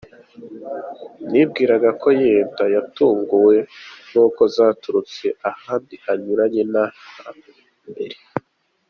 Nibwiraga ko yenda yatunguwe n’uko zaturutse ahandi hanyuranye n’aha mbere.